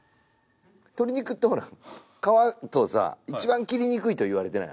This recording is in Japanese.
鶏肉ってほら皮とさ一番切りにくいと言われてない？